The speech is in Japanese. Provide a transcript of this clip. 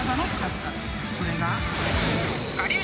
［それが］